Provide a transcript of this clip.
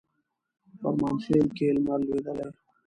فرمانخیل کښي لمر لوېدلی